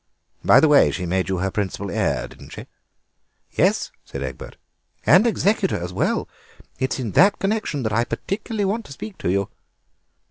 By the way, she made you her principal heir, didn't she?" "Yes," said Egbert, "and executor as well. It's in that connection that I particularly want to speak to you."